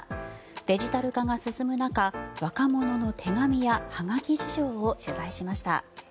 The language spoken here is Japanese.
デジタル化が進む中若者の手紙やはがき事情を取材しました。